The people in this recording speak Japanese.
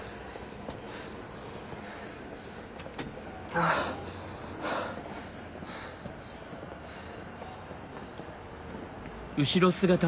あぁハァハァハァ。